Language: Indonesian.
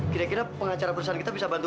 kira kira pengacara perusahaan kita akan menangis